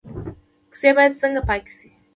کوڅې باید څنګه پاکې شي؟